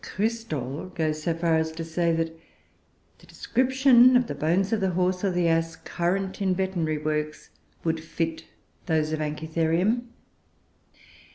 Christol goes so far as to say that the description of the bones of the horse, or the ass, current in veterinary works, would fit those of Anchitherium.